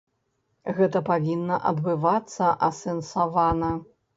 Гэта павінна адбывацца асэнсавана.